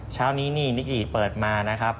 เช้านี้นี่นิกิเปิดมานะครับ